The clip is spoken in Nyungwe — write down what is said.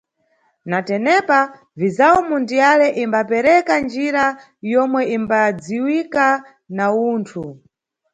Na tenepa, Vizawu Mundiyale imbapereka njira yomwe imbadziwika na Uwunthu.